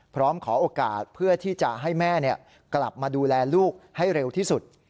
พร้อมขอโอกาสเพื่อที่จะให้แม่กลับมาดูแลลูกให้เร็วที่สุด